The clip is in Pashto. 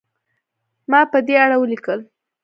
ما په دې اړه ولیکل.